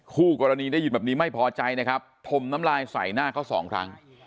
คู่กรณีได้ยินแบบนี้ไม่พอใจนะครับถมน้ำลายใส่หน้าเขาสองครั้ง